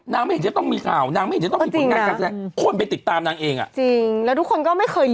นางไม่เห็นแช่ต้องมีข่าวนางไม่เห็นที่ต้องมีผลงานขัก